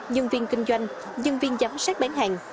nhân viên kinh doanh nhân viên giám sát bán hàng